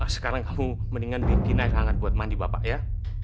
sekarang kamu mendingan bikin air hangat buat mandi bapak ya